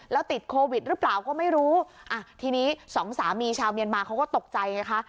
แล้วติดโควิดหรือเปล่าก็ไม่รู้อ่ะทีนี้สองสามีชาวเมียนมาเขาก็ตกใจไงคะ